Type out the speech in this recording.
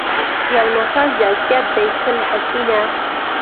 يو نٙفٙس د اذيت دې سل حسينه